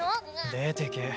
出てけ。